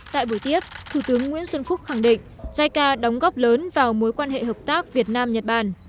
tại buổi tiếp thủ tướng nguyễn xuân phúc khẳng định jica đóng góp lớn vào mối quan hệ hợp tác việt nam nhật bản